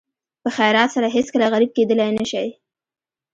په خیرات سره هېڅکله غریب کېدلی نه شئ.